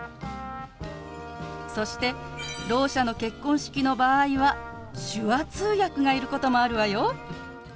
そしてろう者の結婚式の場合は手話通訳がいることもあるわよ。